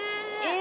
え？